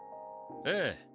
ええ。